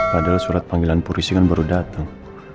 padahal surat panggilan polisi kan baru datang